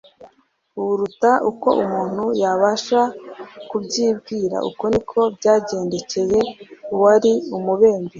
buruta uko umuntu yabasha kubyibwira. Uko niko byagendekcye uwari umubembe.